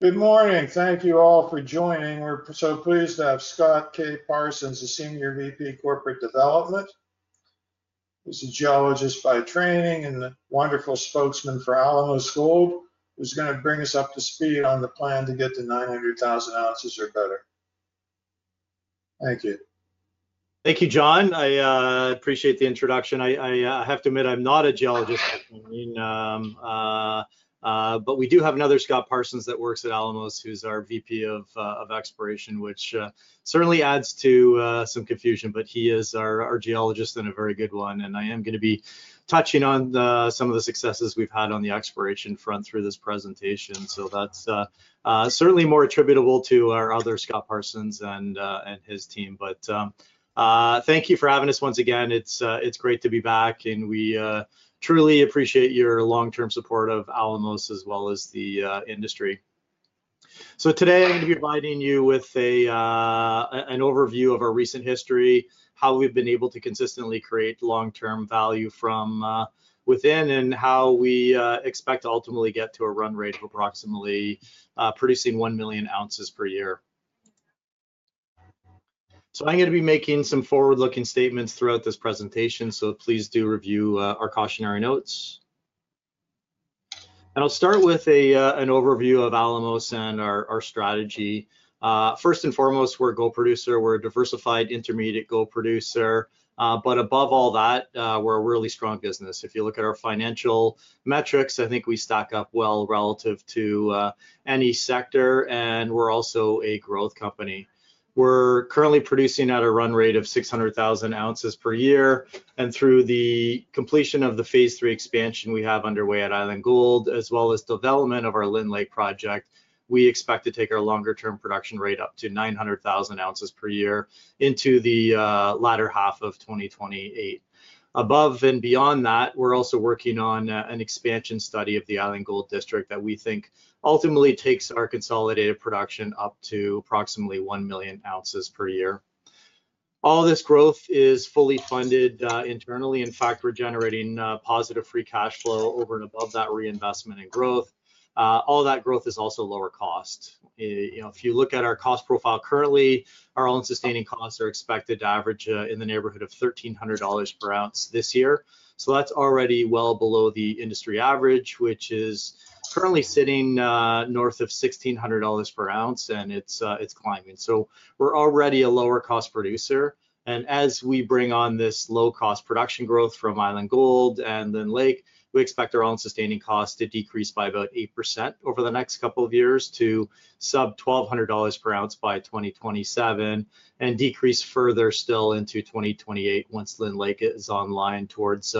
Good morning. Thank you all for joining. We're so pleased to have Scott K. Parsons, a Senior VP Corporate Development. He's a geologist by training and a wonderful spokesman for Alamos Gold, who's going to bring us up to speed on the plan to get to 900,000 ounces or better. Thank you. Thank you, John. I appreciate the introduction. I have to admit, I'm not a geologist. But we do have another Scott Parsons that works at Alamos, who's our VP of Exploration, which certainly adds to some confusion. But he is our geologist and a very good one. I am going to be touching on some of the successes we've had on the exploration front through this presentation. That is certainly more attributable to our other Scott Parsons and his team. Thank you for having us once again. It's great to be back. We truly appreciate your long-term support of Alamos as well as the industry. Today, I'm going to be providing you with an overview of our recent history, how we've been able to consistently create long-term value from within, and how we expect to ultimately get to a run rate of approximately producing one million ounces per year. I'm going to be making some forward-looking statements throughout this presentation. Please do review our cautionary notes. I'll start with an overview of Alamos and our strategy. First and foremost, we're a gold producer. We're a diversified intermediate gold producer. Above all that, we're a really strong business. If you look at our financial metrics, I think we stack up well relative to any sector. We're also a growth company. We're currently producing at a run rate of 600,000 ounces per year. Through the completion of the phase three expansion we have underway at Island Gold, as well as development of our Lynn Lake project, we expect to take our longer-term production rate up to 900,000 ounces per year into the latter half of 2028. Above and beyond that, we're also working on an expansion study of the Island Gold District that we think ultimately takes our consolidated production up to approximately one million ounces per year. All this growth is fully funded internally. In fact, we're generating positive free cash flow over and above that reinvestment and growth. All that growth is also lower cost. If you look at our cost profile currently, our all-in sustaining costs are expected to average in the neighborhood of $1,300 per ounce this year. That's already well below the industry average, which is currently sitting north of $1,600 per ounce. It's climbing. We're already a lower-cost producer. As we bring on this low-cost production growth from Island Gold and Lynn Lake, we expect our all-in sustaining costs to decrease by about 8% over the next couple of years to sub $1,200 per ounce by 2027 and decrease further still into 2028 once Lynn Lake is online towards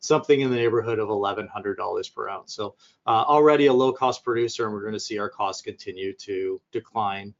something in the neighborhood of $1,100 per ounce. Already a low-cost producer, and we're going to see our costs continue to decline.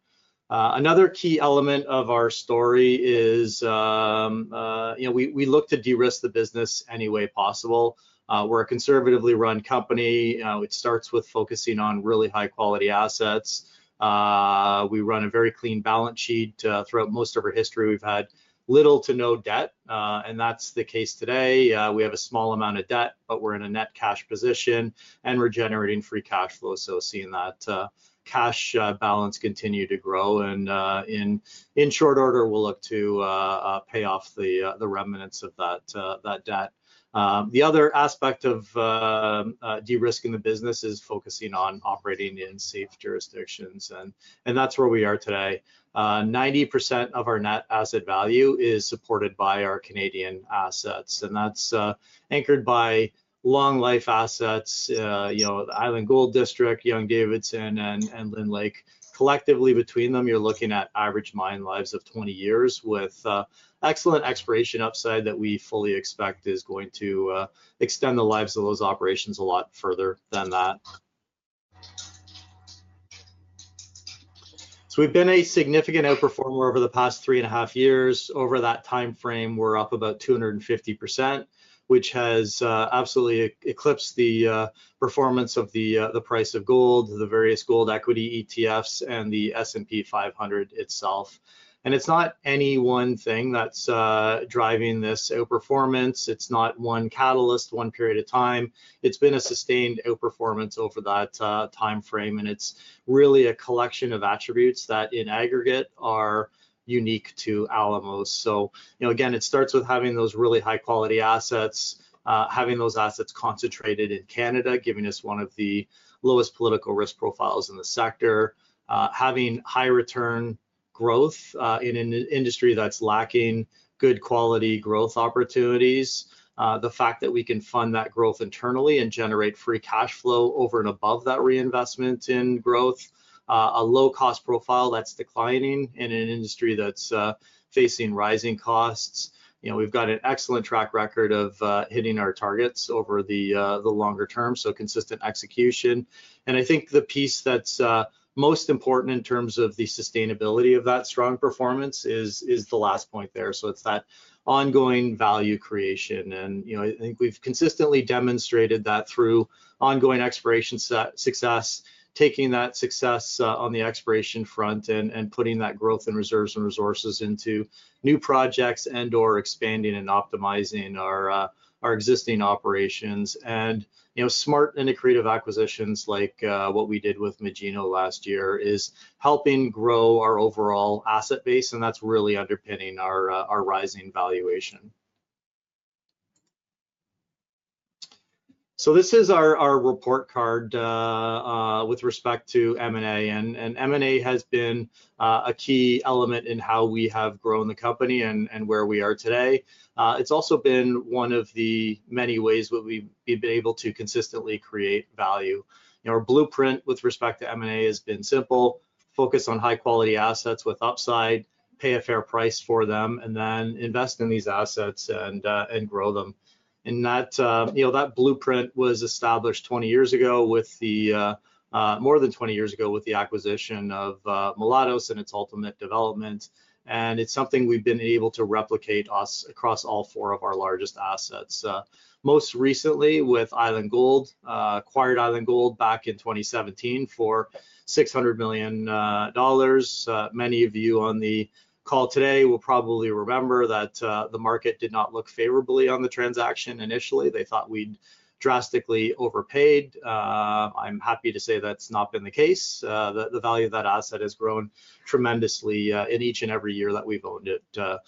Another key element of our story is we look to de-risk the business any way possible. We're a conservatively run company. It starts with focusing on really high-quality assets. We run a very clean balance sheet. Throughout most of our history, we've had little to no debt. That's the case today. We have a small amount of debt, but we're in a net cash position. We're generating free cash flow. Seeing that cash balance continue to grow. In short order, we'll look to pay off the remnants of that debt. The other aspect of de-risking the business is focusing on operating in safe jurisdictions. That is where we are today. 90% of our net asset value is supported by our Canadian assets. That is anchored by long-life assets, the Island Gold District, Young-Davidson, and Lynn Lake. Collectively, between them, you're looking at average mine lives of 20 years with excellent exploration upside that we fully expect is going to extend the lives of those operations a lot further than that. We have been a significant outperformer over the past three and a half years. Over that time frame, we're up about 250%, which has absolutely eclipsed the performance of the price of gold, the various gold equity ETFs, and the S&P 500 itself. It's not any one thing that's driving this outperformance. It's not one catalyst, one period of time. It's been a sustained outperformance over that time frame. It's really a collection of attributes that in aggregate are unique to Alamos. Again, it starts with having those really high-quality assets, having those assets concentrated in Canada, giving us one of the lowest political risk profiles in the sector, having high-return growth in an industry that's lacking good quality growth opportunities, the fact that we can fund that growth internally and generate free cash flow over and above that reinvestment in growth, a low-cost profile that's declining in an industry that's facing rising costs. have got an excellent track record of hitting our targets over the longer term, so consistent execution. I think the piece that is most important in terms of the sustainability of that strong performance is the last point there. It is that ongoing value creation. I think we have consistently demonstrated that through ongoing exploration success, taking that success on the exploration front and putting that growth and reserves and resources into new projects and/or expanding and optimizing our existing operations. Smart and creative acquisitions like what we did with Magino last year is helping grow our overall asset base. That is really underpinning our rising valuation. This is our report card with respect to M&A. M&A has been a key element in how we have grown the company and where we are today. It's also been one of the many ways that we've been able to consistently create value. Our blueprint with respect to M&A has been simple, focus on high-quality assets with upside, pay a fair price for them, and then invest in these assets and grow them. That blueprint was established more than 20 years ago with the acquisition of Mulatos and its ultimate development. It's something we've been able to replicate across all four of our largest assets, most recently with Island Gold. We acquired Island Gold back in 2017 for $600 million. Many of you on the call today will probably remember that the market did not look favorably on the transaction initially. They thought we'd drastically overpaid. I'm happy to say that's not been the case. The value of that asset has grown tremendously in each and every year that we've owned it,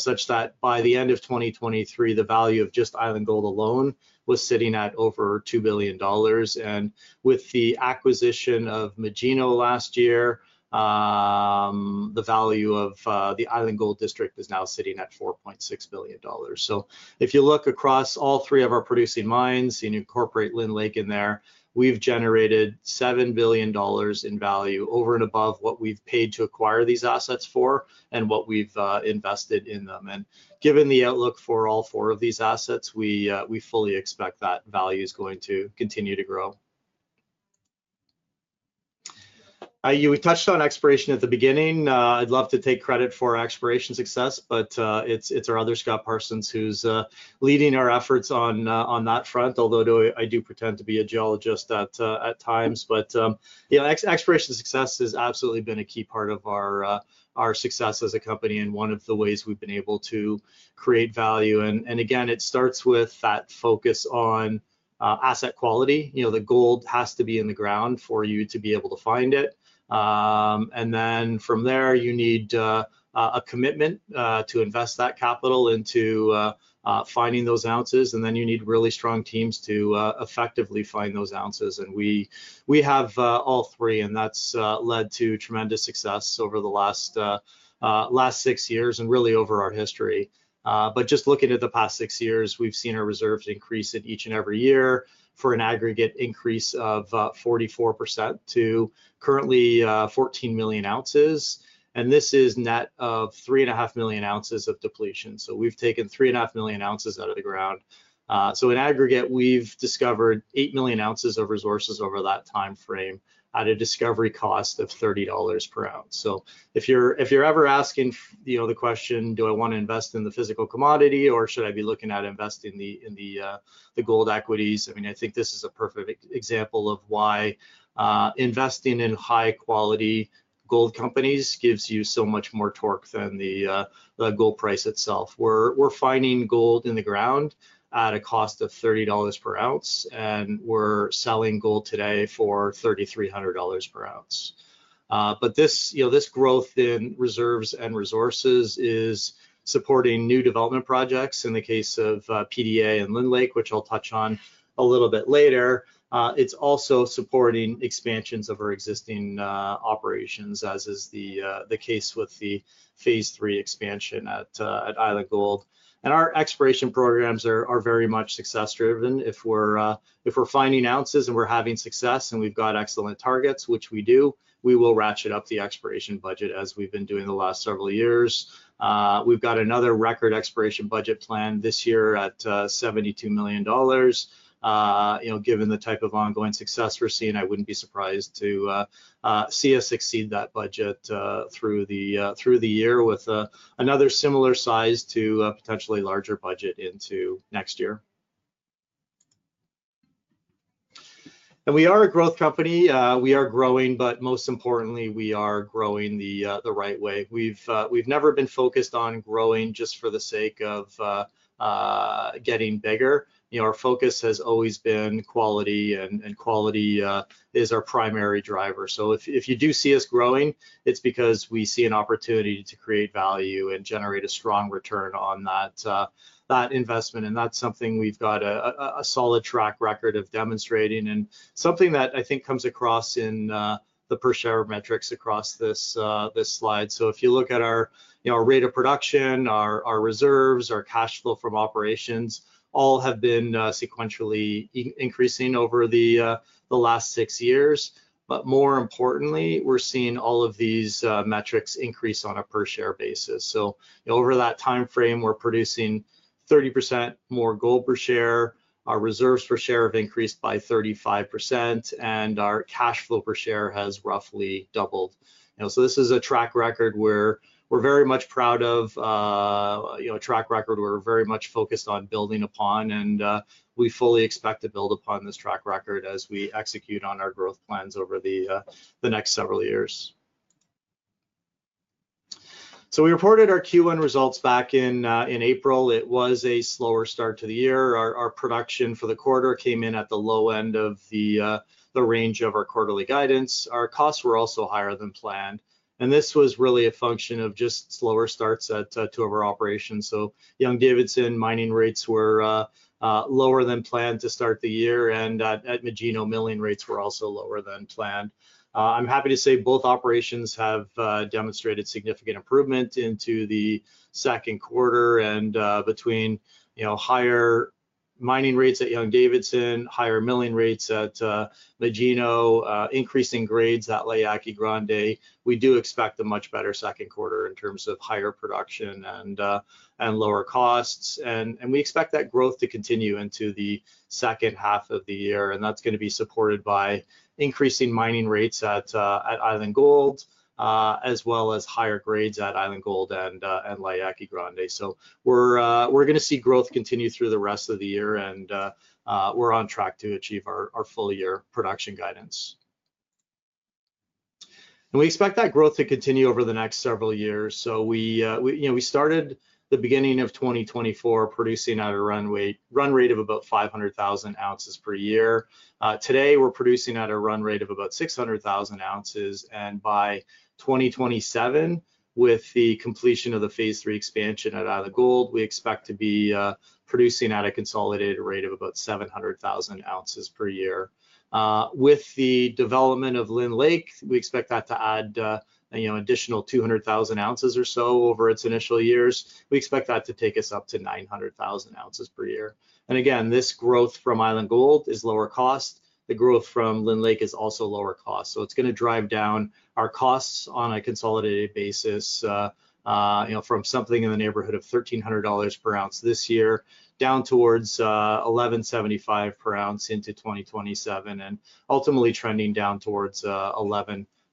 such that by the end of 2023, the value of just Island Gold alone was sitting at over $2 billion. With the acquisition of Magino last year, the value of the Island Gold District is now sitting at $4.6 billion. If you look across all three of our producing mines and you incorporate Lynn Lake in there, we've generated $7 billion in value over and above what we've paid to acquire these assets for and what we've invested in them. Given the outlook for all four of these assets, we fully expect that value is going to continue to grow. We touched on exploration at the beginning. I'd love to take credit for our exploration success, but it's our other Scott Parsons who's leading our efforts on that front, although I do pretend to be a geologist at times. Exploration success has absolutely been a key part of our success as a company and one of the ways we've been able to create value. It starts with that focus on asset quality. The gold has to be in the ground for you to be able to find it. From there, you need a commitment to invest that capital into finding those ounces. You need really strong teams to effectively find those ounces. We have all three. That's led to tremendous success over the last six years and really over our history. Just looking at the past six years, we've seen our reserves increase in each and every year for an aggregate increase of 44% to currently 14 million ounces. This is net of three and a half million ounces of depletion. We've taken three and a half million ounces out of the ground. In aggregate, we've discovered eight million ounces of resources over that time frame at a discovery cost of $30 per ounce. If you're ever asking the question, do I want to invest in the physical commodity or should I be looking at investing in the gold equities, I mean, I think this is a perfect example of why investing in high-quality gold companies gives you so much more torque than the gold price itself. We're finding gold in the ground at a cost of $30 per ounce. We're selling gold today for $3,300 per ounce. This growth in reserves and resources is supporting new development projects in the case of PDA and Lynn Lake, which I'll touch on a little bit later. It is also supporting expansions of our existing operations, as is the case with the phase III expansion at Island Gold. Our exploration programs are very much success-driven. If we are finding ounces and we are having success and we have excellent targets, which we do, we will ratchet up the exploration budget as we have been doing the last several years. We have another record exploration budget planned this year at $72 million. Given the type of ongoing success we are seeing, I would not be surprised to see us exceed that budget through the year with another similar size to a potentially larger budget into next year. We are a growth company. We are growing, but most importantly, we are growing the right way. We've never been focused on growing just for the sake of getting bigger. Our focus has always been quality, and quality is our primary driver. If you do see us growing, it's because we see an opportunity to create value and generate a strong return on that investment. That's something we've got a solid track record of demonstrating and something that I think comes across in the per share metrics across this slide. If you look at our rate of production, our reserves, our cash flow from operations, all have been sequentially increasing over the last six years. More importantly, we're seeing all of these metrics increase on a per share basis. Over that time frame, we're producing 30% more gold per share. Our reserves per share have increased by 35%, and our cash flow per share has roughly doubled. This is a track record we're very much proud of, a track record we're very much focused on building upon. We fully expect to build upon this track record as we execute on our growth plans over the next several years. We reported our Q1 results back in April. It was a slower start to the year. Our production for the quarter came in at the low end of the range of our quarterly guidance. Our costs were also higher than planned. This was really a function of just slower starts at two of our operations. Young-Davidson mining rates were lower than planned to start the year. At Magino, milling rates were also lower than planned. I'm happy to say both operations have demonstrated significant improvement into the second quarter. Between higher mining rates at Young-Davidson, higher milling rates at Magino, increasing grades at La Yaqui Grande, we do expect a much better second quarter in terms of higher production and lower costs. We expect that growth to continue into the second half of the year. That is going to be supported by increasing mining rates at Island Gold, as well as higher grades at Island Gold and La Yaqui Grande. We are going to see growth continue through the rest of the year. We are on track to achieve our full year production guidance. We expect that growth to continue over the next several years. We started the beginning of 2024 producing at a run rate of about 500,000 ounces per year. Today, we are producing at a run rate of about 600,000 ounces. By 2027, with the completion of the phase three expansion at Island Gold, we expect to be producing at a consolidated rate of about 700,000 ounces per year. With the development of Lynn Lake, we expect that to add an additional 200,000 ounces or so over its initial years. We expect that to take us up to 900,000 ounces per year. Again, this growth from Island Gold is lower cost. The growth from Lynn Lake is also lower cost. It is going to drive down our costs on a consolidated basis from something in the neighborhood of $1,300 per ounce this year down towards $1,175 per ounce into 2027, and ultimately trending down towards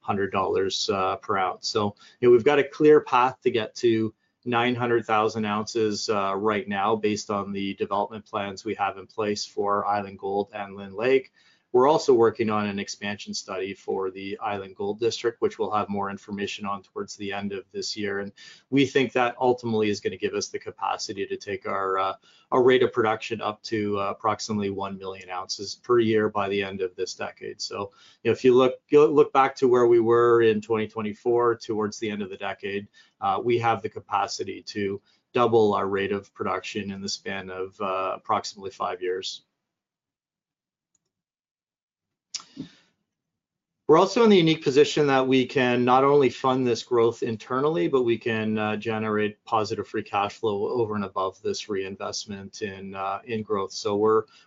$1,100 per ounce. We have a clear path to get to 900,000 ounces right now based on the development plans we have in place for Island Gold and Lynn Lake. We're also working on an expansion study for the Island Gold District, which we'll have more information on towards the end of this year. We think that ultimately is going to give us the capacity to take our rate of production up to approximately one million ounces per year by the end of this decade. If you look back to where we were in 2024 towards the end of the decade, we have the capacity to double our rate of production in the span of approximately five years. We're also in the unique position that we can not only fund this growth internally, but we can generate positive free cash flow over and above this reinvestment in growth.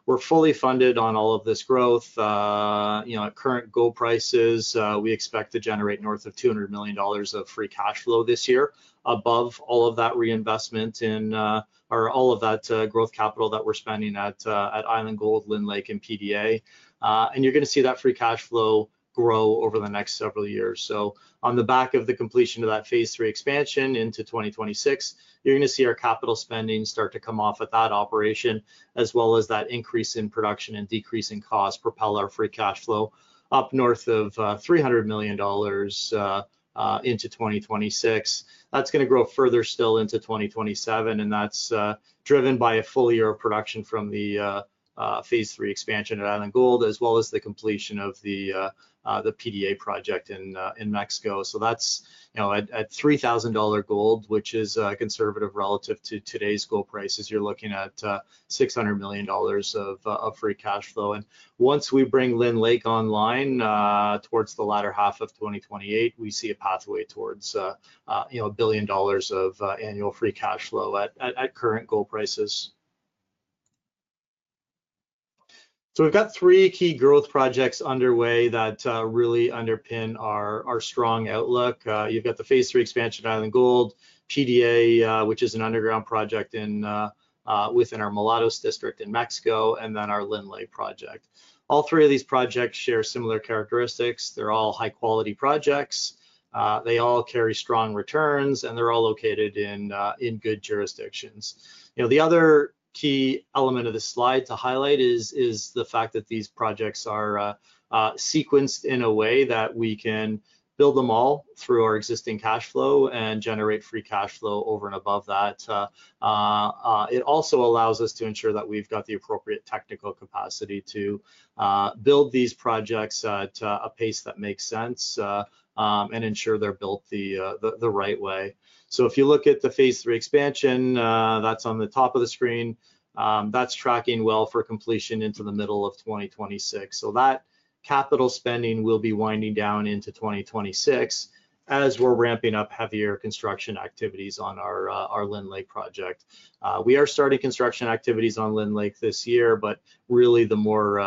We're fully funded on all of this growth. At current gold prices, we expect to generate north of $200 million of free cash flow this year above all of that reinvestment in all of that growth capital that we're spending at Island Gold, Lynn Lake, and PDA. You are going to see that free cash flow grow over the next several years. On the back of the completion of that phase III expansion into 2026, you are going to see our capital spending start to come off at that operation, as well as that increase in production and decrease in cost propel our free cash flow up north of $300 million into 2026. That is going to grow further still into 2027. That is driven by a full year of production from the phase III expansion at Island Gold, as well as the completion of the PDA project in Mexico. That is at $3,000 gold, which is conservative relative to today's gold prices. You're looking at $600 million of free cash flow. Once we bring Lynn Lake online towards the latter half of 2028, we see a pathway towards $1 billion of annual free cash flow at current gold prices. We have three key growth projects underway that really underpin our strong outlook. You have the phase III expansion at Island Gold, PDA, which is an underground project within our Mulatos district in Mexico, and then our Lynn Lake project. All three of these projects share similar characteristics. They are all high-quality projects. They all carry strong returns, and they are all located in good jurisdictions. The other key element of this slide to highlight is the fact that these projects are sequenced in a way that we can build them all through our existing cash flow and generate free cash flow over and above that. It also allows us to ensure that we've got the appropriate technical capacity to build these projects at a pace that makes sense and ensure they're built the right way. If you look at the phase III expansion, that's on the top of the screen, that's tracking well for completion into the middle of 2026. That capital spending will be winding down into 2026 as we're ramping up heavier construction activities on our Lynn Lake project. We are starting construction activities on Lynn Lake this year, but really the more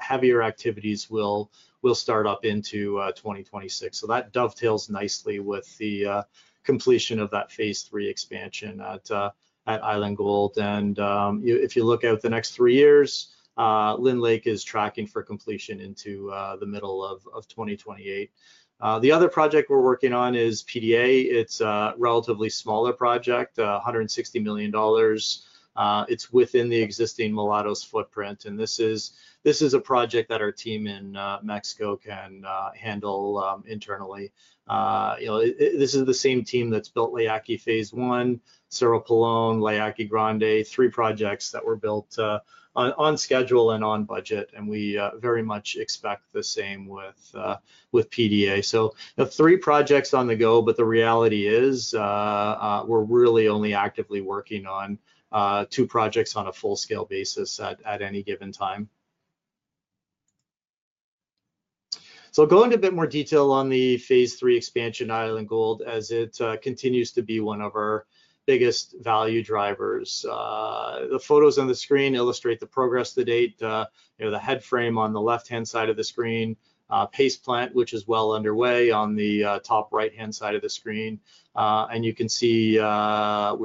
heavier activities will start up into 2026. That dovetails nicely with the completion of that phase III expansion at Island Gold. If you look at the next three years, Lynn Lake is tracking for completion into the middle of 2028. The other project we're working on is PDA. It's a relatively smaller project, $160 million. It's within the existing Mulatos footprint. This is a project that our team in Mexico can handle internally. This is the same team that's built La Yaqui Phase I, Cerro Pelon, La Yaqui Grande, three projects that were built on schedule and on budget. We very much expect the same with PDA. Three projects on the go, but the reality is we're really only actively working on two projects on a full-scale basis at any given time. I'll go into a bit more detail on the phase III expansion at Island Gold as it continues to be one of our biggest value drivers. The photos on the screen illustrate the progress to date. The head frame on the left-hand side of the screen, Paste Plant, which is well underway on the top right-hand side of the screen. You can see we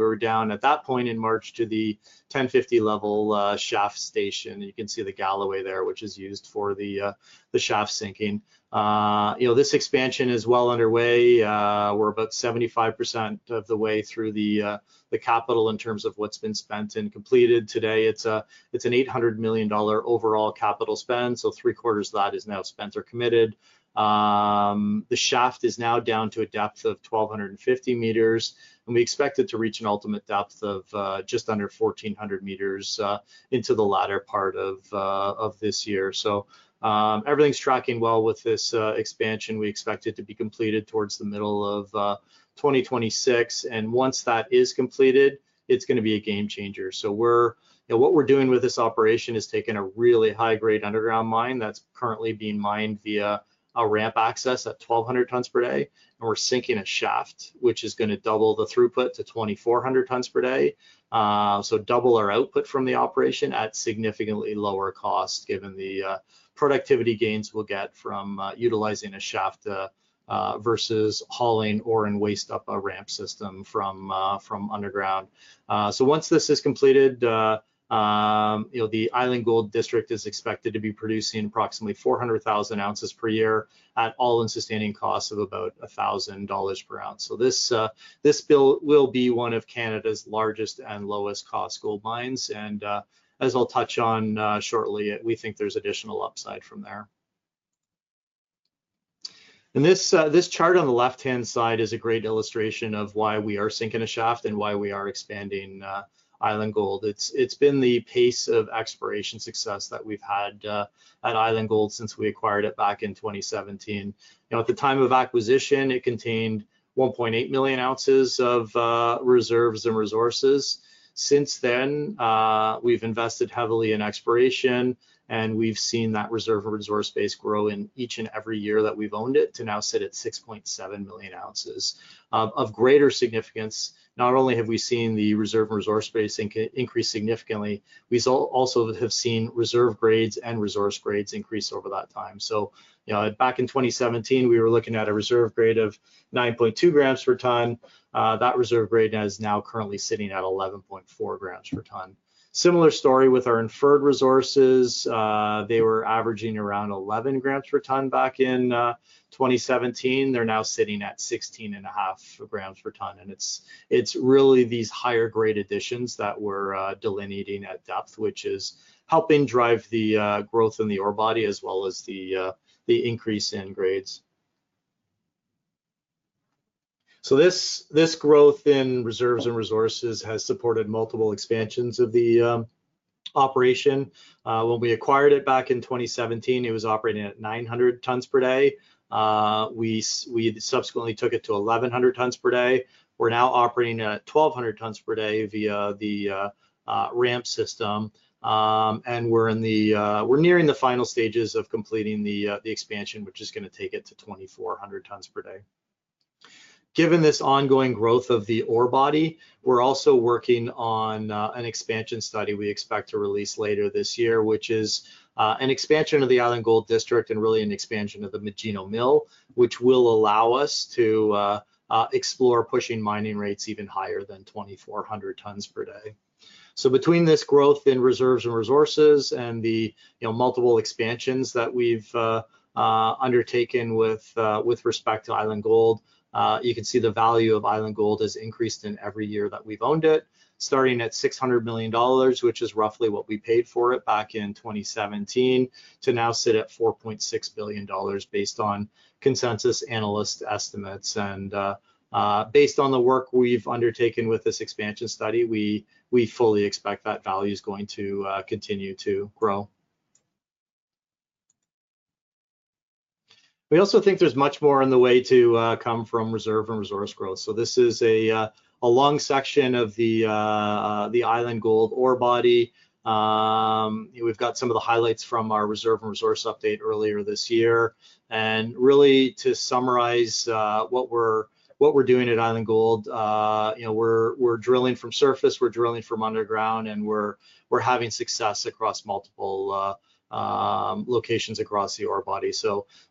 were down at that point in March to the 1,050-level shaft station. You can see the Galloway there, which is used for the shaft sinking. This expansion is well underway. We're about 75% of the way through the capital in terms of what's been spent and completed. Today, it's an $800 million overall capital spend. Three-quarters of that is now spent or committed. The shaft is now down to a depth of 1,250 meters. We expect it to reach an ultimate depth of just under 1,400 meters into the latter part of this year. Everything's tracking well with this expansion. We expect it to be completed towards the middle of 2026. Once that is completed, it's going to be a game changer. What we're doing with this operation is taking a really high-grade underground mine that's currently being mined via a ramp access at 1,200 tons per day. We're sinking a shaft, which is going to double the throughput to 2,400 tons per day. Double our output from the operation at significantly lower cost, given the productivity gains we'll get from utilizing a shaft versus hauling ore and waste up a ramp system from underground. Once this is completed, the Island Gold District is expected to be producing approximately 400,000 ounces per year at all-in sustaining costs of about $1,000 per ounce. This will be one of Canada's largest and lowest-cost gold mines. As I'll touch on shortly, we think there's additional upside from there. This chart on the left-hand side is a great illustration of why we are sinking a shaft and why we are expanding Island Gold. It's been the pace of exploration success that we've had at Island Gold since we acquired it back in 2017. At the time of acquisition, it contained 1.8 million ounces of reserves and resources. Since then, we've invested heavily in exploration, and we've seen that reserve and resource base grow in each and every year that we've owned it to now sit at 6.7 million ounces of greater significance. Not only have we seen the reserve and resource base increase significantly, we also have seen reserve grades and resource grades increase over that time. Back in 2017, we were looking at a reserve grade of 9.2 grams per ton. That reserve grade is now currently sitting at 11.4 grams per ton. Similar story with our inferred resources. They were averaging around 11 grams per ton back in 2017. They are now sitting at 16.5 grams per ton. It is really these higher-grade additions that we are delineating at depth, which is helping drive the growth in the ore body as well as the increase in grades. This growth in reserves and resources has supported multiple expansions of the operation. When we acquired it back in 2017, it was operating at 900 tons per day. We subsequently took it to 1,100 tons per day. We're now operating at 1,200 tons per day via the ramp system. We're nearing the final stages of completing the expansion, which is going to take it to 2,400 tons per day. Given this ongoing growth of the ore body, we're also working on an expansion study we expect to release later this year, which is an expansion of the Island Gold District and really an expansion of the Magino Mill, which will allow us to explore pushing mining rates even higher than 2,400 tons per day. Between this growth in reserves and resources and the multiple expansions that we've undertaken with respect to Island Gold, you can see the value of Island Gold has increased in every year that we've owned it, starting at $600 million, which is roughly what we paid for it back in 2017, to now sit at $4.6 billion based on consensus analyst estimates. Based on the work we've undertaken with this expansion study, we fully expect that value is going to continue to grow. We also think there's much more on the way to come from reserve and resource growth. This is a long section of the Island Gold ore body. We've got some of the highlights from our reserve and resource update earlier this year. To summarize what we're doing at Island Gold, we're drilling from surface, we're drilling from underground, and we're having success across multiple locations across the ore body.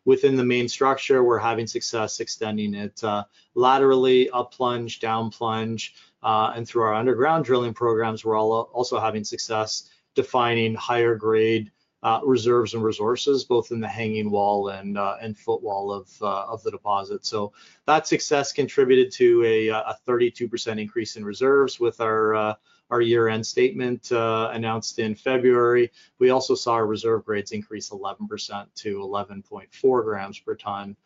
Within the main structure, we're having success extending it laterally, upplunge, downplunge. Through our underground drilling programs, we're also having success defining higher-grade reserves and resources, both in the hanging wall and footwall of the deposit. That success contributed to a 32% increase in reserves with our year-end statement announced in February. We also saw our reserve grades increase 11% to 11.4 grams per ton.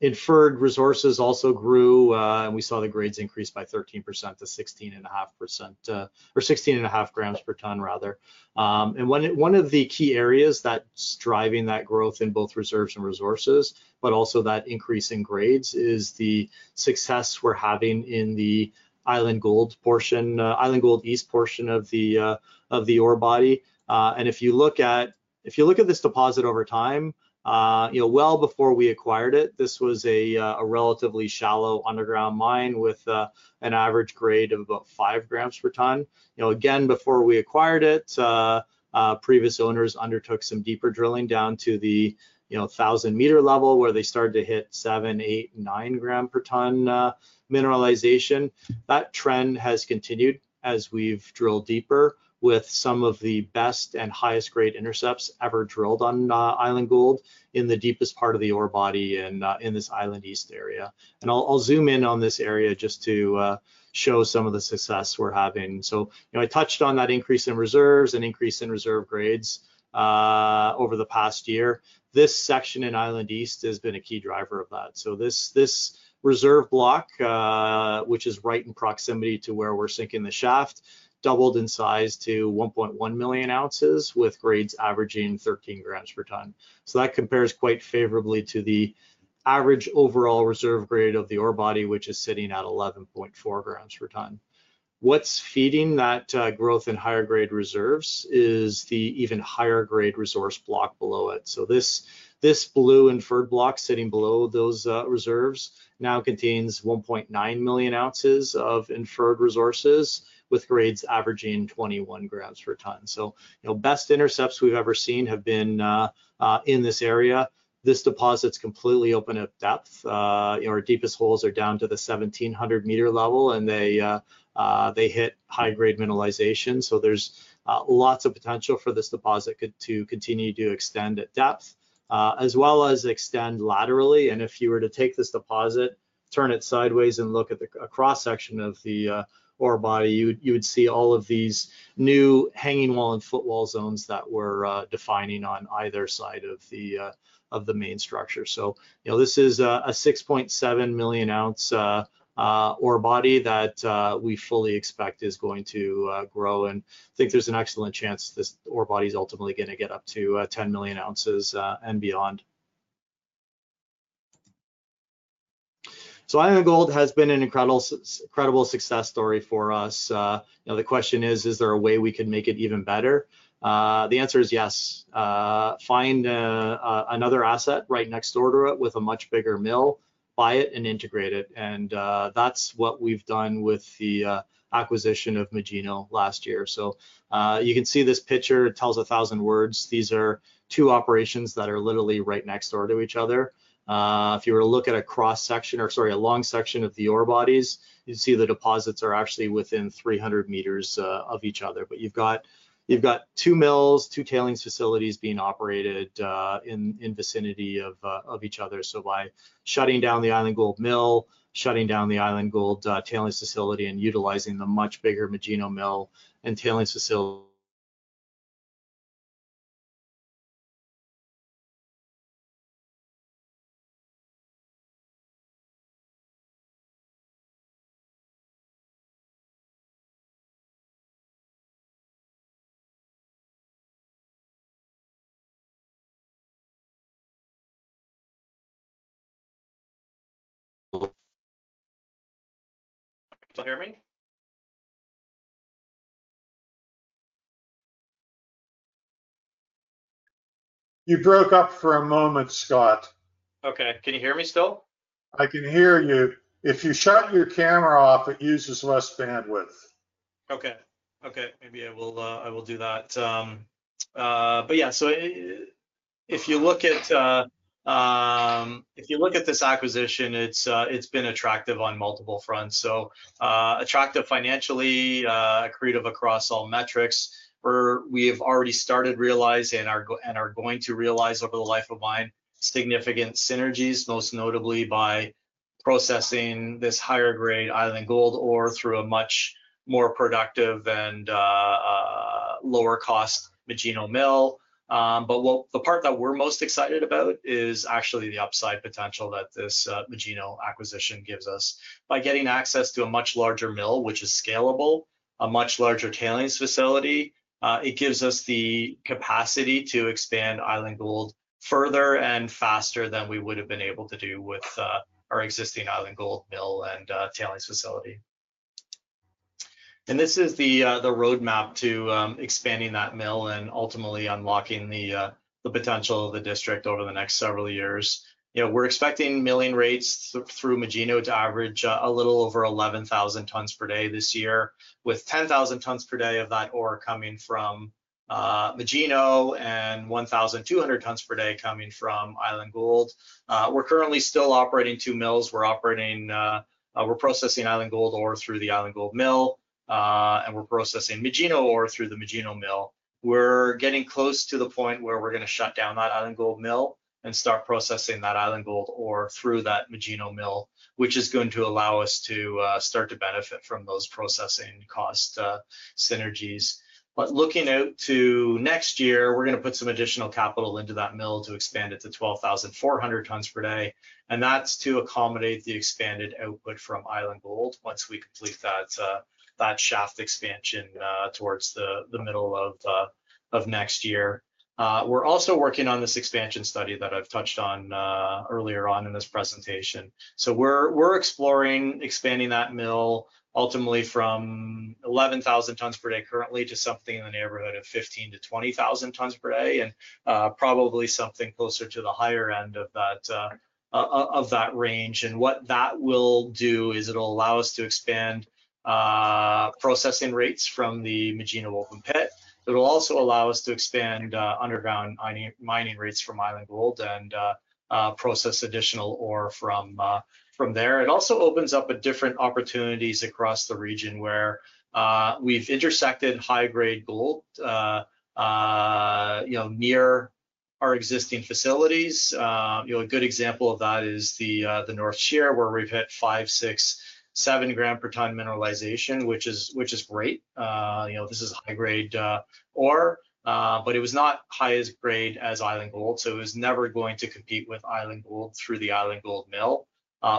Inferred resources also grew, and we saw the grades increase by 13% to 16.5 grams per ton, rather. One of the key areas that is driving that growth in both reserves and resources, but also that increase in grades, is the success we are having in the Island Gold East portion of the ore body. If you look at this deposit over time, before we acquired it, this was a relatively shallow underground mine with an average grade of about 5 grams per ton. Again, before we acquired it, previous owners undertook some deeper drilling down to the 1,000-meter level where they started to hit 7, 8, 9 gram per ton mineralization. That trend has continued as we have drilled deeper with some of the best and highest-grade intercepts ever drilled on Island Gold in the deepest part of the ore body in this Island East area. I will zoom in on this area just to show some of the success we are having. I touched on that increase in reserves and increase in reserve grades over the past year. This section in Island East has been a key driver of that. This reserve block, which is right in proximity to where we're sinking the shaft, doubled in size to 1.1 million ounces with grades averaging 13 grams per ton. That compares quite favorably to the average overall reserve grade of the ore body, which is sitting at 11.4 grams per ton. What's feeding that growth in higher-grade reserves is the even higher-grade resource block below it. This blue inferred block sitting below those reserves now contains 1.9 million ounces of inferred resources with grades averaging 21 grams per ton. The best intercepts we've ever seen have been in this area. This deposit is completely open at depth. Our deepest holes are down to the 1,700-meter level, and they hit high-grade mineralization. There is lots of potential for this deposit to continue to extend at depth, as well as extend laterally. If you were to take this deposit, turn it sideways, and look at the cross-section of the ore body, you would see all of these new hanging wall and footwall zones that we are defining on either side of the main structure. This is a 6.7 million-ounce ore body that we fully expect is going to grow. I think there is an excellent chance this ore body is ultimately going to get up to 10 million ounces and beyond. Island Gold has been an incredible success story for us. The question is, is there a way we could make it even better? The answer is yes. Find another asset right next door to it with a much bigger mill, buy it, and integrate it. That is what we have done with the acquisition of Magino last year. You can see this picture tells a thousand words. These are two operations that are literally right next door to each other. If you were to look at a cross-section or, sorry, a long section of the ore bodies, you would see the deposits are actually within 300 meters of each other. You have two mills, two tailings facilities being operated in vicinity of each other. By shutting down the Island Gold mill, shutting down the Island Gold tailings facility, and utilizing the much bigger Magino mill and tailings facility. Can you still hear me? You broke up for a moment, Scott. Okay. Can you hear me still? I can hear you. If you shut your camera off, it uses less bandwidth. Okay. Okay. Maybe I will do that. But yeah, if you look at this acquisition, it has been attractive on multiple fronts. Attractive financially, accretive across all metrics. We have already started realizing and are going to realize over the life of mine significant synergies, most notably by processing this higher-grade Island Gold ore through a much more productive and lower-cost Magino mill. The part that we are most excited about is actually the upside potential that this Magino acquisition gives us. By getting access to a much larger mill, which is scalable, a much larger tailings facility, it gives us the capacity to expand Island Gold further and faster than we would have been able to do with our existing Island Gold mill and tailings facility. This is the roadmap to expanding that mill and ultimately unlocking the potential of the district over the next several years. We're expecting milling rates through Magino to average a little over 11,000 tons per day this year, with 10,000 tons per day of that ore coming from Magino and 1,200 tons per day coming from Island Gold. We're currently still operating two mills. We're processing Island Gold ore through the Island Gold mill, and we're processing Magino ore through the Magino mill. We're getting close to the point where we're going to shut down that Island Gold mill and start processing that Island Gold ore through that Magino mill, which is going to allow us to start to benefit from those processing cost synergies. Looking out to next year, we're going to put some additional capital into that mill to expand it to 12,400 tons per day. That is to accommodate the expanded output from Island Gold once we complete that shaft expansion towards the middle of next year. We are also working on this expansion study that I have touched on earlier in this presentation. We are exploring expanding that mill ultimately from 11,000 tons per day currently to something in the neighborhood of 15,000 tons per day-20,000 tons per day and probably something closer to the higher end of that range. What that will do is it will allow us to expand processing rates from the Magino open pit. It will also allow us to expand underground mining rates from Island Gold and process additional ore from there. It also opens up different opportunities across the region where we have intersected high-grade gold near our existing facilities. A good example of that is the North Shear where we have hit 5, 6, 7 grams per ton mineralization, which is great. This is high-grade ore, but it was not as high grade as Island Gold. So it was never going to compete with Island Gold through the Island Gold mill.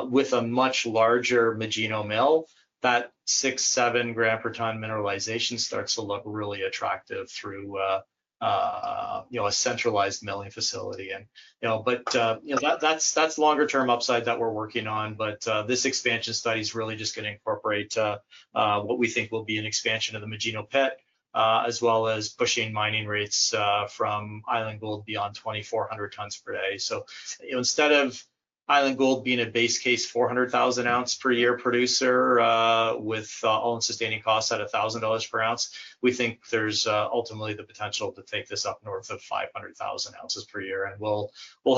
With a much larger Magino mill, that 6, 7 gram per ton mineralization starts to look really attractive through a centralized milling facility. But that's longer-term upside that we're working on. But this expansion study is really just going to incorporate what we think will be an expansion of the Magino pit, as well as pushing mining rates from Island Gold beyond 2,400 tons per day. So instead of Island Gold being a base case 400,000-ounce per year producer with all-in sustaining costs at $1,000 per ounce, we think there's ultimately the potential to take this up north of 500,000 ounces per year. And we'll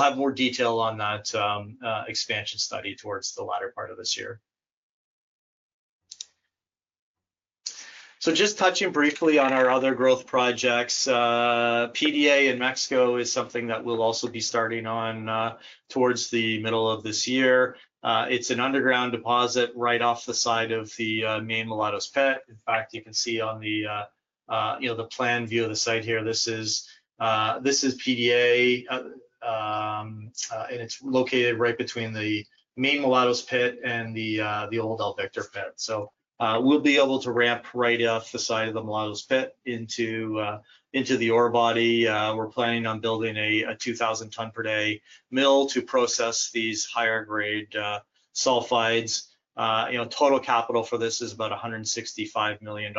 have more detail on that expansion study towards the latter part of this year. Just touching briefly on our other growth projects, PDA in Mexico is something that we'll also be starting on towards the middle of this year. It's an underground deposit right off the side of the main Mulatos Pit. In fact, you can see on the plan view of the site here, this is PDA, and it's located right between the main Mulatos Pit and the old El Victor Pit. We'll be able to ramp right off the side of the Mulatos Pit into the ore body. We're planning on building a 2,000-ton-per-day mill to process these higher-grade sulfides. Total capital for this is about $165 million.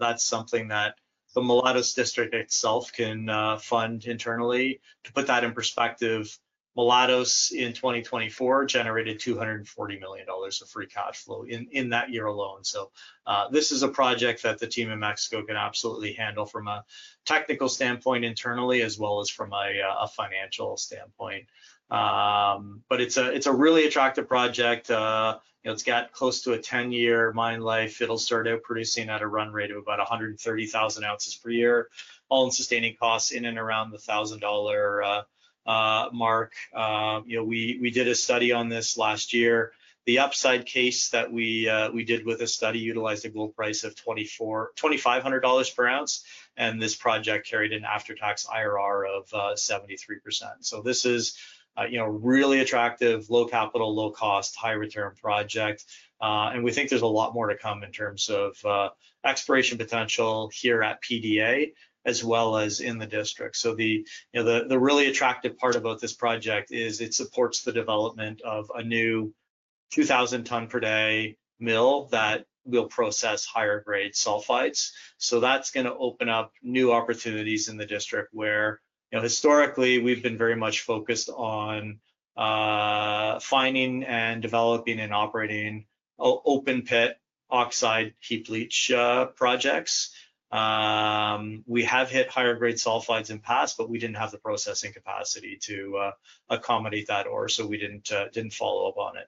That's something that the Mulatos District itself can fund internally. To put that in perspective, Mulatos in 2024 generated $240 million of free cash flow in that year alone. This is a project that the team in Mexico can absolutely handle from a technical standpoint internally as well as from a financial standpoint. It is a really attractive project. It has got close to a 10 year mine life. It will start out producing at a run rate of about 130,000 ounces per year, all-in sustaining costs in and around the $1,000 mark. We did a study on this last year. The upside case that we did with this study utilized a gold price of $2,500 per ounce, and this project carried an after-tax IRR of 73%. This is a really attractive, low-capital, low-cost, high-return project. We think there is a lot more to come in terms of exploration potential here at PDA, as well as in the district. The really attractive part about this project is it supports the development of a new 2,000-ton-per-day mill that will process higher-grade sulfides. That is going to open up new opportunities in the district where historically we have been very much focused on finding and developing and operating open pit oxide heap leach projects. We have hit higher-grade sulfides in the past, but we did not have the processing capacity to accommodate that ore, so we did not follow up on it.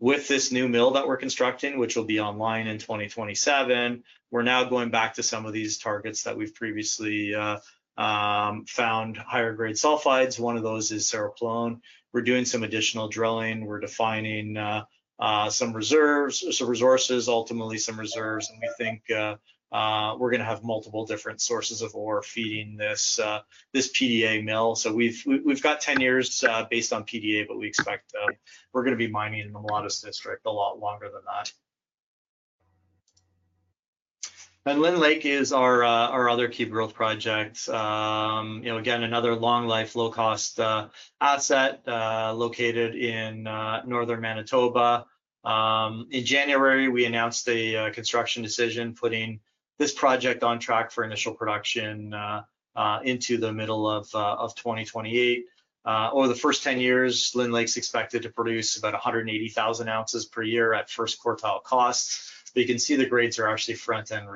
With this new mill that we are constructing, which will be online in 2027, we are now going back to some of these targets where we previously found higher-grade sulfides. One of those is Cerro Plon. We are doing some additional drilling. We are defining some resources, ultimately some reserves. We think we are going to have multiple different sources of ore feeding this PDA mill. We've got 10 years based on PDA, but we expect we're going to be mining in the Mulatos District a lot longer than that. Lynn Lake is our other key growth project. Again, another long-life, low-cost asset located in northern Manitoba. In January, we announced a construction decision, putting this project on track for initial production into the middle of 2028. Over the first 10 years, Lynn Lake's expected to produce about 180,000 ounces per year at first quartile costs. You can see the grades are actually front-end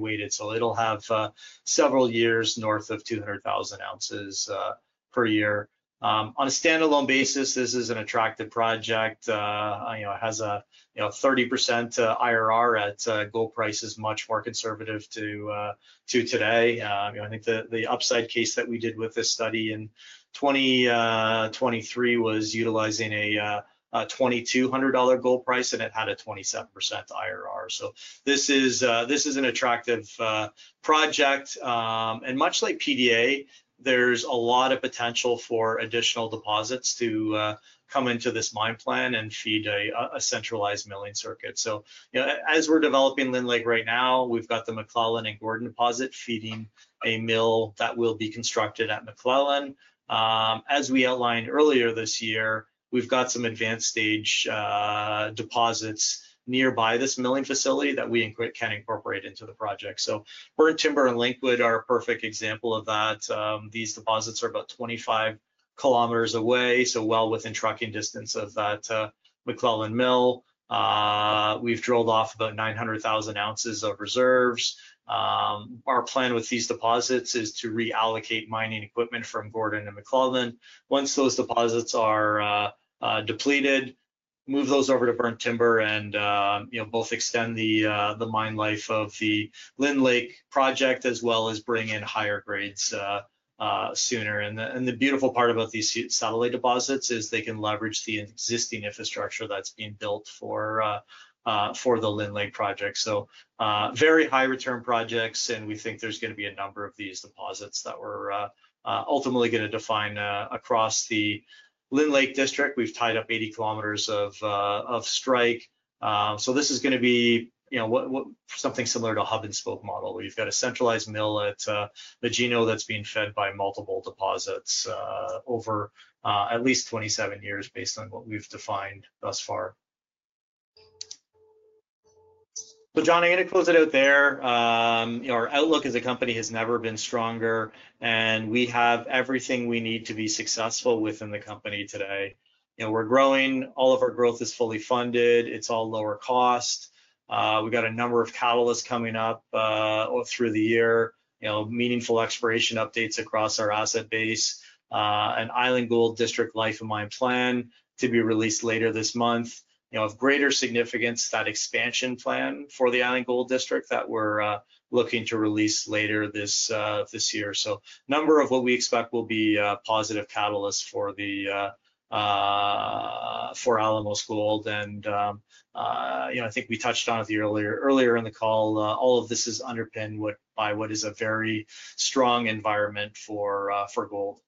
weighted. It'll have several years north of 200,000 ounces per year. On a standalone basis, this is an attractive project. It has a 30% IRR at gold prices much more conservative to today. I think the upside case that we did with this study in 2023 was utilizing a $2,200 gold price, and it had a 27% IRR. This is an attractive project. Much like PDA, there is a lot of potential for additional deposits to come into this mine plan and feed a centralized milling circuit. As we are developing Lynn Lake right now, we have the McClellan and Gordon Deposit feeding a mill that will be constructed at McClellan. As we outlined earlier this year, we have some advanced-stage deposits nearby this milling facility that we can incorporate into the project. Burn Timber and Linkwood are a perfect example of that. These deposits are about 25 km away, so well within trucking distance of that McClellan mill. We have drilled off about 900,000 ounces of reserves. Our plan with these deposits is to reallocate mining equipment from Gordon and McClellan. Once those deposits are depleted, move those over to Burn Timber and both extend the mine life of the Lynn Lake project as well as bring in higher grades sooner. The beautiful part about these satellite deposits is they can leverage the existing infrastructure that's being built for the Lynn Lake project. Very high-return projects, and we think there's going to be a number of these deposits that we're ultimately going to define across the Lynn Lake District. We've tied up 80 km of strike. This is going to be something similar to a hub-and-spoke model. We've got a centralized mill at Magino that's being fed by multiple deposits over at least 27 years based on what we've defined thus far. John, I'm going to close it out there. Our outlook as a company has never been stronger, and we have everything we need to be successful within the company today. We're growing. All of our growth is fully funded. It's all lower cost. We've got a number of catalysts coming up through the year, meaningful exploration updates across our asset base, and Island Gold District life and mine plan to be released later this month of greater significance, that expansion plan for the Island Gold District that we're looking to release later this year. A number of what we expect will be positive catalysts for Alamos Gold. I think we touched on it earlier in the call. All of this is underpinned by what is a very strong environment for gold.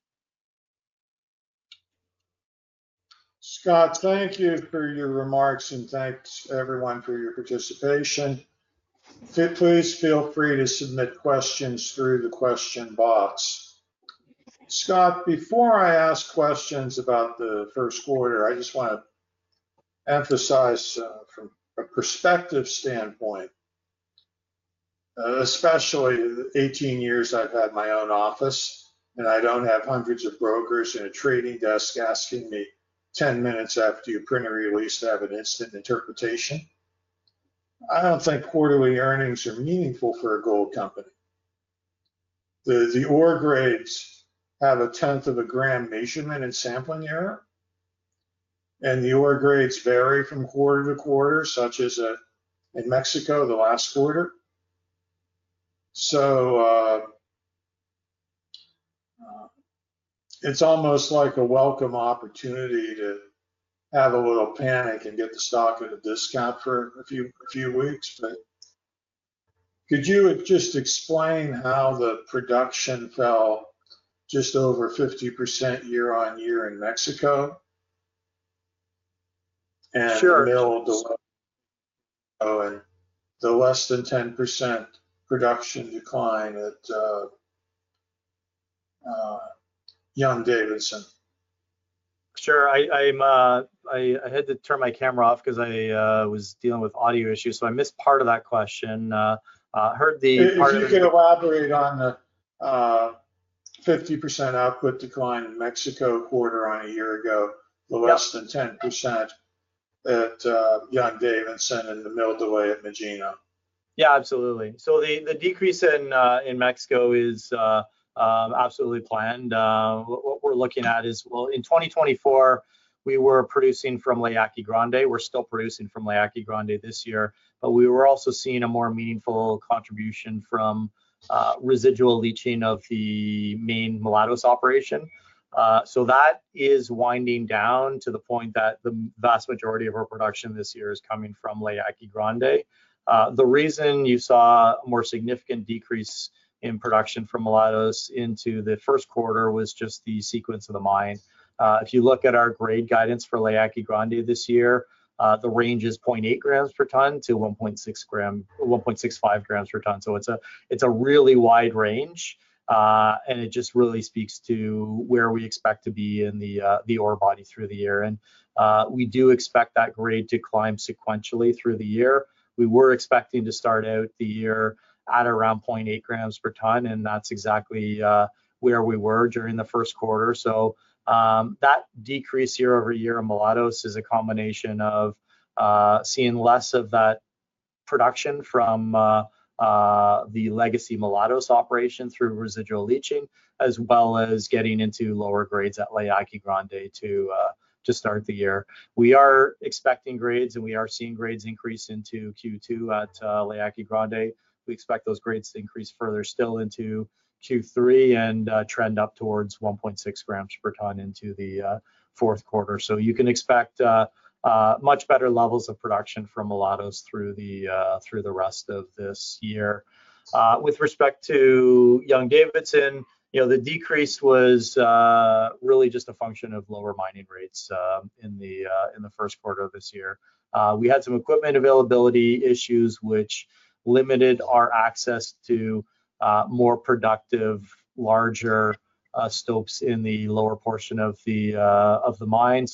Scott, thank you for your remarks, and thanks everyone for your participation. Please feel free to submit questions through the question box. Scott, before I ask questions about the first quarter, I just want to emphasize from a perspective standpoint, especially 18 years I've had my own office, and I don't have hundreds of brokers in a trading desk asking me 10 minutes after you print a release to have an instant interpretation. I don't think quarterly earnings are meaningful for a gold company. The ore grades have a tenth of a gram measurement and sampling error, and the ore grades vary from quarter to quarter, such as in Mexico the last quarter. It's almost like a welcome opportunity to have a little panic and get the stock at a discount for a few weeks. Could you just explain how the production fell just over 50% year-on-year in Mexico and the less than 10% production decline at Young-Davidson? Sure. I had to turn my camera off because I was dealing with audio issues, so I missed part of that question. I heard the part of the question. If you could elaborate on the 50% output decline in Mexico quarter on a year ago, the less than 10% at Young-Davidson and the mill delay at Magino. Yeah, absolutely. The decrease in Mexico is absolutely planned. What we are looking at is, well, in 2024, we were producing from La Yaqui Grande. We are still producing from La Yaqui Grande this year, but we were also seeing a more meaningful contribution from residual leaching of the main Mulatos operation. That is winding down to the point that the vast majority of our production this year is coming from La Yaqui Grande. The reason you saw a more significant decrease in production from Mulatos into the first quarter was just the sequence of the mine. If you look at our grade guidance for La Yaqui Grande this year, the range is 0.8 grams per ton-1.6 grams per ton. It is a really wide range, and it just really speaks to where we expect to be in the ore body through the year. We do expect that grade to climb sequentially through the year. We were expecting to start out the year at around 0.8 grams per ton, and that is exactly where we were during the first quarter. That decrease year over year in Mulatos is a combination of seeing less of that production from the legacy Mulatos operation through residual leaching, as well as getting into lower grades at La Yaqui Grande to start the year. We are expecting grades, and we are seeing grades increase into Q2 at La Yaqui Grande. We expect those grades to increase further still into Q3 and trend up towards 1.6 grams per ton into the fourth quarter. You can expect much better levels of production from Mulatos through the rest of this year. With respect to Young-Davidson, the decrease was really just a function of lower mining rates in the first quarter of this year. We had some equipment availability issues, which limited our access to more productive, larger stopes in the lower portion of the mine.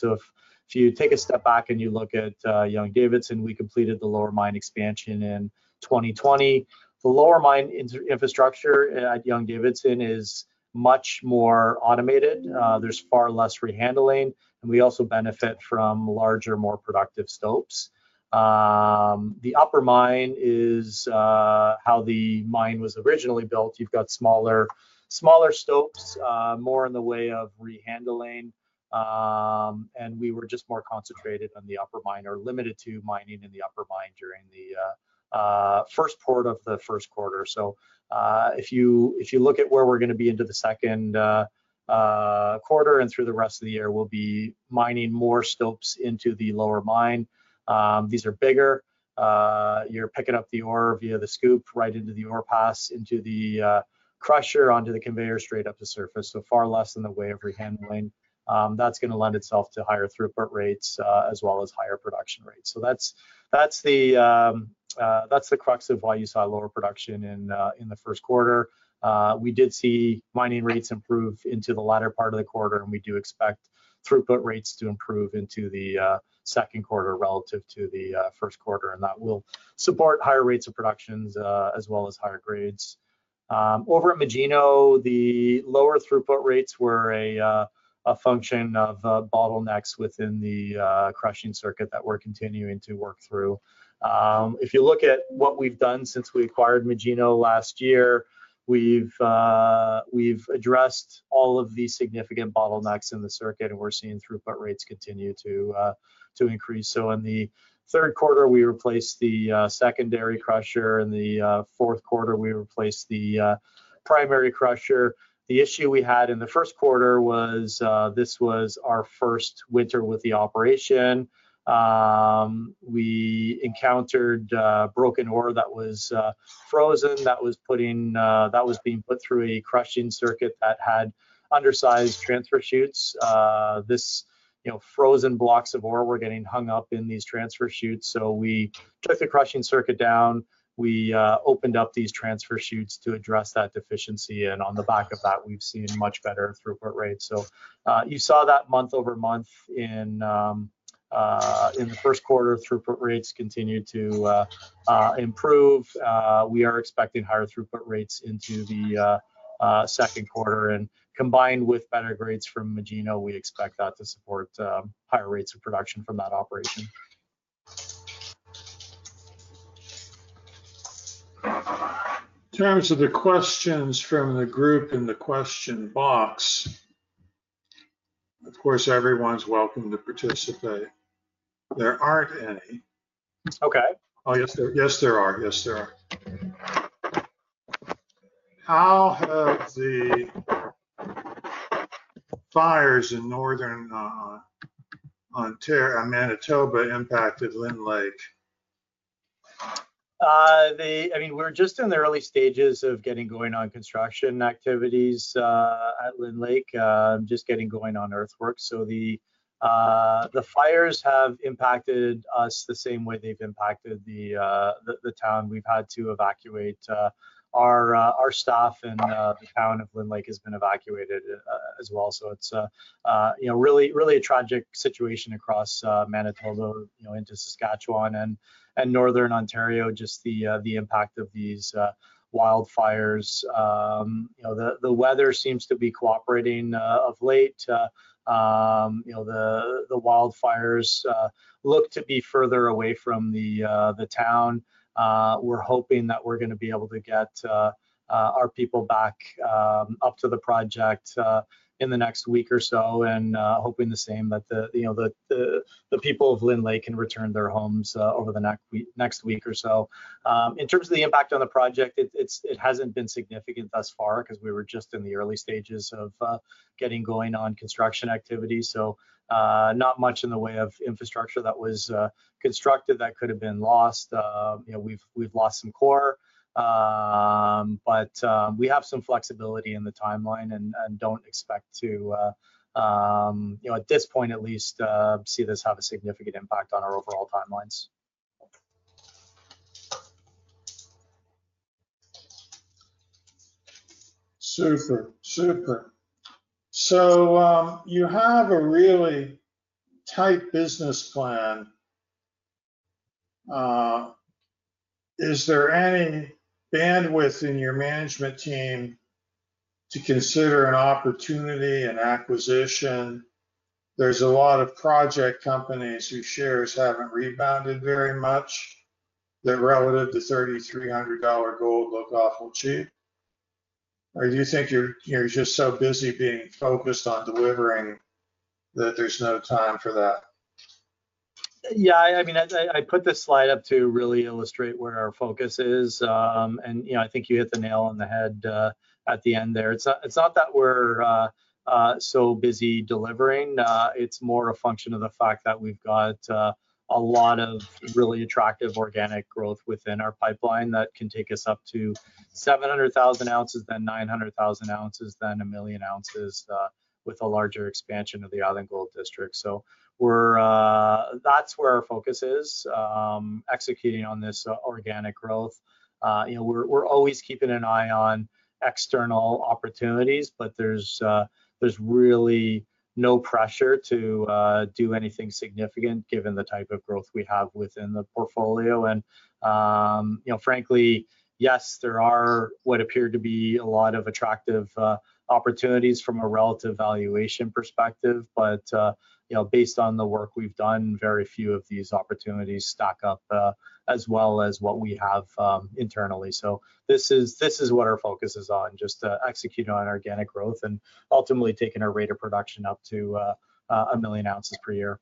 If you take a step back and you look at Young-Davidson, we completed the lower mine expansion in 2020. The lower mine infrastructure at Young-Davidson is much more automated. There is far less rehandling, and we also benefit from larger, more productive stopes. The upper mine is how the mine was originally built. You've got smaller stopes, more in the way of rehandling, and we were just more concentrated on the upper mine or limited to mining in the upper mine during the first quarter. If you look at where we're going to be into the second quarter and through the rest of the year, we'll be mining more stopes into the lower mine. These are bigger. You're picking up the ore via the scoop right into the ore pass into the crusher onto the conveyor straight up to surface. Far less in the way of rehandling. That's going to lend itself to higher throughput rates as well as higher production rates. That's the crux of why you saw lower production in the first quarter. We did see mining rates improve into the latter part of the quarter, and we do expect throughput rates to improve into the second quarter relative to the first quarter. That will support higher rates of production as well as higher grades. Over at Magino, the lower throughput rates were a function of bottlenecks within the crushing circuit that we're continuing to work through. If you look at what we've done since we acquired Magino last year, we've addressed all of the significant bottlenecks in the circuit, and we're seeing throughput rates continue to increase. In the third quarter, we replaced the secondary crusher. In the fourth quarter, we replaced the primary crusher. The issue we had in the first quarter was this was our first winter with the operation. We encountered broken ore that was frozen that was being put through a crushing circuit that had undersized transfer chutes. These frozen blocks of ore were getting hung up in these transfer chutes. We took the crushing circuit down. We opened up these transfer chutes to address that deficiency. On the back of that, we've seen much better throughput rates. You saw that month over month in the first quarter, throughput rates continued to improve. We are expecting higher throughput rates into the second quarter. Combined with better grades from Magino, we expect that to support higher rates of production from that operation. In terms of the questions from the group in the question box, of course, everyone's welcome to participate. There aren't any. Yes, there are. Yes, there are. How have the fires in Northern Ontario, Manitoba, impacted Lynn Lake? I mean, we're just in the early stages of getting going on construction activities at Lynn Lake, just getting going on earthworks. The fires have impacted us the same way they've impacted the town. We've had to evacuate our staff, and the town of Lynn Lake has been evacuated as well. It is really a tragic situation across Manitoba into Saskatchewan and Northern Ontario, just the impact of these wildfires. The weather seems to be cooperating of late. The wildfires look to be further away from the town. We're hoping that we're going to be able to get our people back up to the project in the next week or so and hoping the same that the people of Lynn Lake can return to their homes over the next week or so. In terms of the impact on the project, it hasn't been significant thus far because we were just in the early stages of getting going on construction activity. Not much in the way of infrastructure that was constructed that could have been lost. We've lost some core, but we have some flexibility in the timeline and don't expect to, at this point at least, see this have a significant impact on our overall timelines. Super. Super. You have a really tight business plan. Is there any bandwidth in your management team to consider an opportunity and acquisition? There's a lot of project companies whose shares haven't rebounded very much. They're relative to $3,300 gold look awful cheap. Do you think you're just so busy being focused on delivering that there's no time for that? Yeah. I mean, I put this slide up to really illustrate where our focus is. I think you hit the nail on the head at the end there. It's not that we're so busy delivering. It's more a function of the fact that we've got a lot of really attractive organic growth within our pipeline that can take us up to 700,000 ounces, then 900,000 ounces, then a million ounces with a larger expansion of the Island Gold District. That's where our focus is, executing on this organic growth. We're always keeping an eye on external opportunities, but there's really no pressure to do anything significant given the type of growth we have within the portfolio. Frankly, yes, there are what appear to be a lot of attractive opportunities from a relative valuation perspective. Based on the work we've done, very few of these opportunities stack up as well as what we have internally. This is what our focus is on, just executing on organic growth and ultimately taking our rate of production up to a million ounces per year.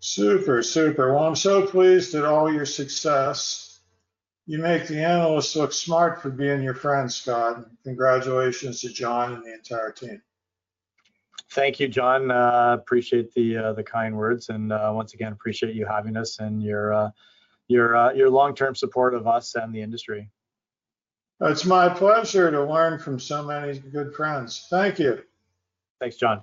Super. I'm so pleased at all your success. You make the analysts look smart for being your friend, Scott. Congratulations to John and the entire team. Thank you, John. Appreciate the kind words. Once again, appreciate you having us and your long-term support of us and the industry. It's my pleasure to learn from so many good friends. Thank you. Thanks, John.